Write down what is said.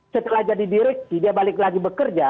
setelah jadi direksi dia balik lagi bekerja